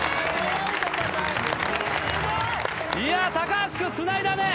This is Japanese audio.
高橋君つないだね。